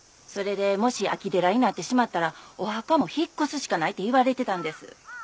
それでもし空き寺になってしまったらお墓も引っ越すしかないって言われてたんです。